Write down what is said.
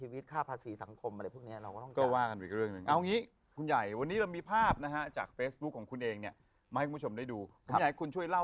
อีก๗๐เอามาทำบุญ